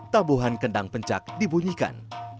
tabuhan kendang pencak dibunyikan